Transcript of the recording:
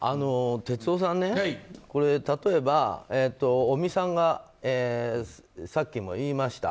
哲夫さん、例えば尾身さんがさっきも言いました。